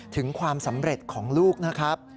ถึงความสำเร็จของลูกนะครับ